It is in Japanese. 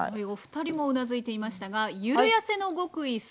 お二人もうなずいていましたがゆるやせの極意